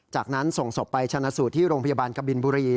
จากนั้นส่งศพไปชนะสูตรที่โรงพยาบาลกบินบุรี